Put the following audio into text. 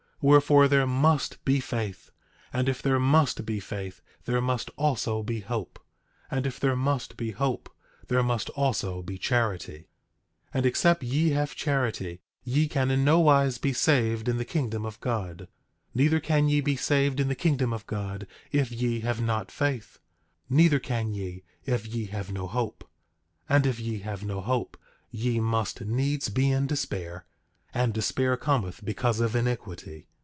10:20 Wherefore, there must be faith; and if there must be faith there must also be hope; and if there must be hope there must also be charity. 10:21 And except ye have charity ye can in nowise be saved in the kingdom of God; neither can ye be saved in the kingdom of God if ye have not faith; neither can ye if ye have no hope. 10:22 And if ye have no hope ye must needs be in despair; and despair cometh because of iniquity.